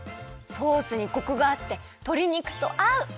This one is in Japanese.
ソースにコクがあってとり肉とあう！